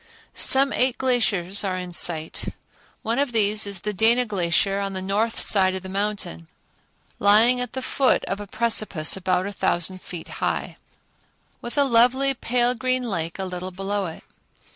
Some eight glaciers are in sight. One of these is the Dana Glacier on the north side of the mountain, lying at the foot of a precipice about a thousand feet high, with a lovely pale green lake a little below it.